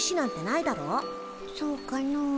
そうかの？